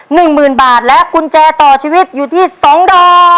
หนึ่งหมื่นบาทและกุญแจต่อชีวิตอยู่ที่สองดอก